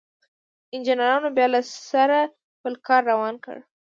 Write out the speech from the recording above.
انجنيرانو بيا له سره خپل کار روان کړ.